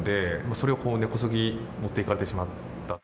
それを根こそぎ持っていかれてしま